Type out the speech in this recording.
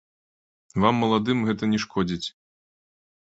Вам, маладым, гэта не шкодзіць.